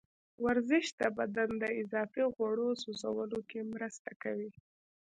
ورزش د بدن د اضافي غوړو سوځولو کې مرسته کوي.